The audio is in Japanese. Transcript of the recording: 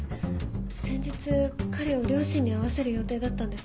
先日彼を両親に会わせる予定だったんです。